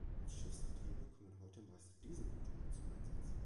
Als Schiffsantriebe kommen heute meist Dieselmotoren zum Einsatz.